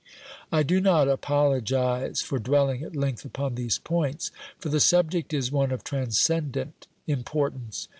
I do not apologise for dwelling at length upon these points, for the subject is one of transcendent importance.